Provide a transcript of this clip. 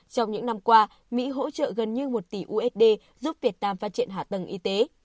trong những năm qua mỹ hỗ trợ gần như một tỷ usd giúp việt nam phát triển hạ tầng y tế